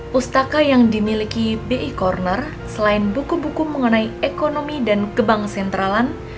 pustaka yang dimiliki bi corner selain buku buku mengenai ekonomi dan kebang sentralan